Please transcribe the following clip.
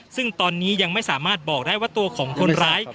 ซึ่งตอนนี้ยังไม่สามารถบอกได้ว่าตัวของคนร้าย